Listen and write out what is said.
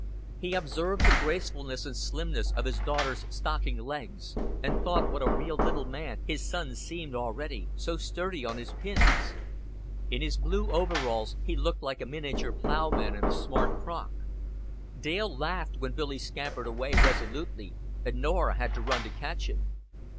He observed the gracefulness and slimness of his daughter's stockinged legs, and thought what a real little man his son seemed already, so sturdy on his pins. In his blue overalls he looked like a miniature ploughman in a smock frock. Dale laughed when Billy scampered away resolutely, and Norah had to run to catch him.